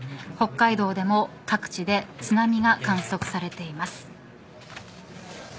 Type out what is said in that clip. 北海道でも、各地で津波が観測されています。